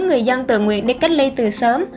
người dân tự nguyện đi cách ly từ sớm